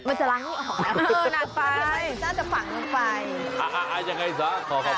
มันจะร้ายให้ออกมา